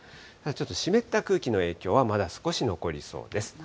ちょっと湿った空気の影響はまだ少し残りそうです。